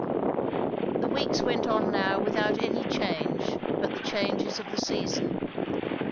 The weeks went on now without any change but the changes of the season.